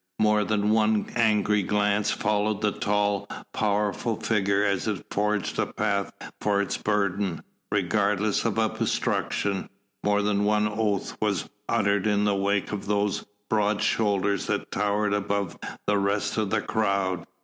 More than one angry glance followed the tall, powerful figure as it forged a path for its burden, regardless of obstruction; more than one oath was uttered in the wake of those broad shoulders that towered above the rest of the crowd.